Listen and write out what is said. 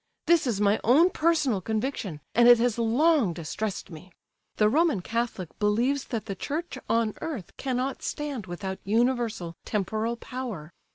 This is my own personal conviction, and it has long distressed me. The Roman Catholic believes that the Church on earth cannot stand without universal temporal Power.